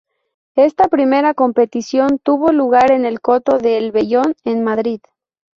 Esta primera competición tuvo lugar en el Coto de El Vellón, en Madrid.